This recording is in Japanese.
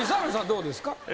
どうですか？